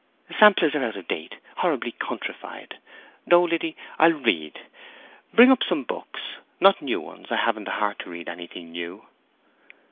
"Samplers are out of date—horribly countrified. No Liddy, I'll read. Bring up some books—not new ones. I haven't heart to read anything new."